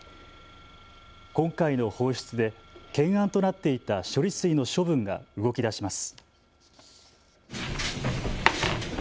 今回の放出で懸案となっていた処理水の処分が動きだします。